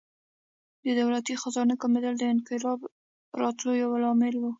د دولتي خزانې کمېدل د انقلاب راتلو یو لامل و.